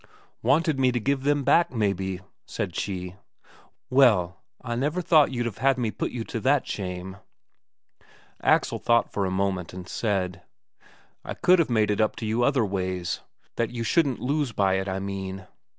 "Wanted me to give them back, maybe," said she. "Well, I never thought you'd have had me put you to that shame." Axel thought for a moment, and said: "I could have made it up to you other ways. That you shouldn't lose by it, I mean."